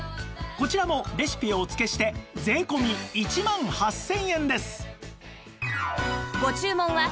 こちらもレシピをお付けして税込１万８０００円です